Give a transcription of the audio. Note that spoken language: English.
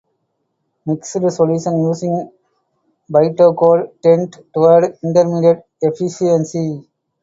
Mixed solutions using bytecode tend toward intermediate efficiency.